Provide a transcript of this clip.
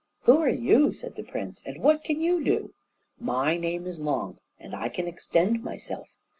"Who are you," said the prince, "and what can you do?" "My name is Long, and I can extend myself.